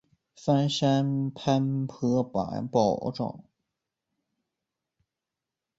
生卒年均不详。